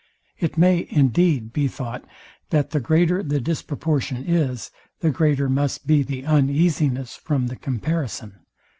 It may, indeed, be thought, that the greater the disproportion is, the greater must be the uneasiness from the comparison.